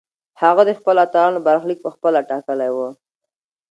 هغه د خپلو اتلانو برخلیک پخپله ټاکلی و.